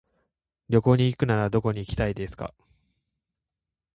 旅行に行くならどこに行きたいですか。